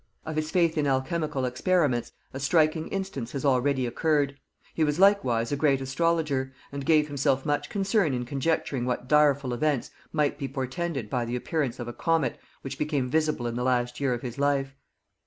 Of his faith in alchemical experiments a striking instance has already occurred; he was likewise a great astrologer, and gave himself much concern in conjecturing what direful events might be portended by the appearance of a comet which became visible in the last year of his life.